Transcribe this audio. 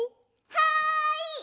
はい！